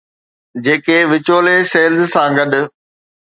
جيڪي وچولي سيلز سان گڏ؟